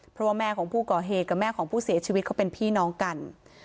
เพราะว่าแม่ของผู้ก่อเหตุกับแม่ของผู้เสียชีวิตเขาเป็นพี่น้องกัน